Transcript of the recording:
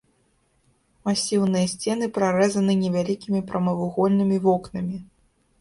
Масіўныя сцены прарэзаны невялікімі прамавугольнымі вокнамі.